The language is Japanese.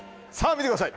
見てください